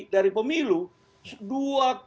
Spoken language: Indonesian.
dari pemilu dua